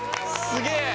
すげえ！